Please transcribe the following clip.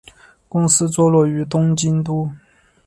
公司坐落于东京都。